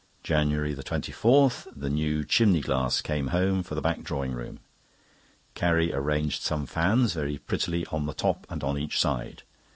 JANUARY 24.—The new chimney glass came home for the back drawing room. Carrie arranged some fans very prettily on the top and on each side.